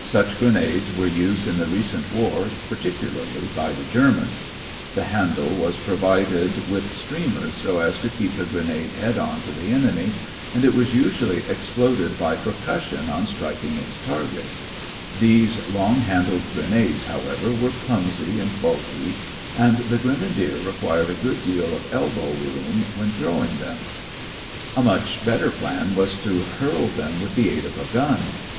Such grenades were used in the recent war, particularly by the Germans. The handle was provided with streamers so as to keep the grenade head on to the enemy, and it was usually exploded by percussion on striking its target. These long handled grenades, however, were clumsy and bulky, and the grenadier required a good deal of elbow room when throwing them. [Illustration: FIG. 3. A rifle grenade fitted to the muzzle of a rifle] A much better plan was to hurl them with the aid of a gun.